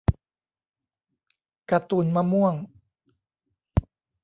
การ์ตูนมะม่วง